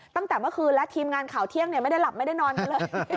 ตั้งแต่เมื่อคืนแล้วทีมงานข่าวเที่ยงไม่ได้หลับไม่ได้นอนกันเลย